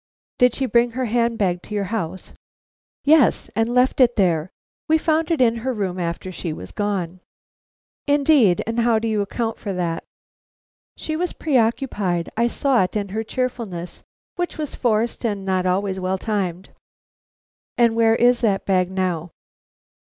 "Did she bring her hand bag to your house?" "Yes, and left it there. We found it in her room after she was gone." "Indeed! And how do you account for that?" "She was preoccupied. I saw it in her cheerfulness, which was forced and not always well timed." "And where is that bag now?"